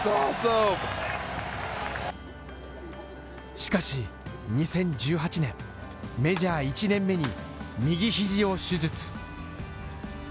しかし、２０１８年、メジャー１年目に右肘を手術。